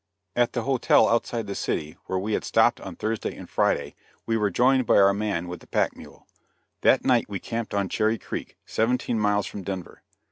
At the hotel outside the city, where we had stopped on Thursday and Friday, we were joined by our man with the pack mule. That night we camped on Cherry Creek, seventeen miles from Denver.